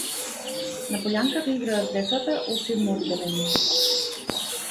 На полјанката играат децата од седмо одделение.